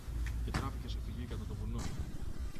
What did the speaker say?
και τράπηκε σε φυγή κατά το βουνό.